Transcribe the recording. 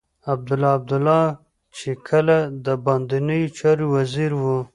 عبدالله عبدالله چې کله د باندنيو چارو وزير و.